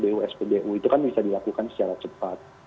bw spbu itu kan bisa dilakukan secara cepat